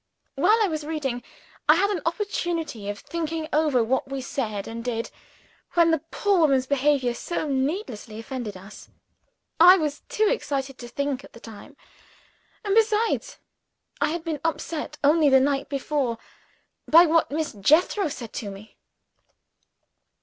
While I was reading, I had an opportunity of thinking over what we said and did, when the poor woman's behavior so needlessly offended us. I was too excited to think, at the time and, besides, I had been upset, only the night before, by what Miss Jethro said to me."